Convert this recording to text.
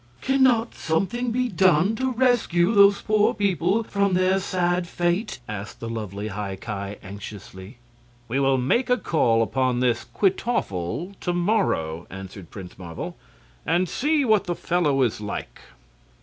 "Can not something be done to rescue these poor people from their sad fate?" asked the lovely High Ki, anxiously. "We will make a call upon this Kwytoffle to morrow," answered Prince Marvel, "and see what the fellow is like."